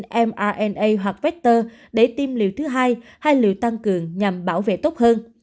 dạng hit hoặc vector để tiêm liều thứ hai hay liều tăng cường nhằm bảo vệ tốt hơn